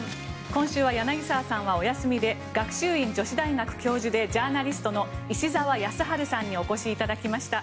今週は柳澤さんはお休みで学習院女子大学教授でジャーナリストの石澤靖治さんにお越しいただきました。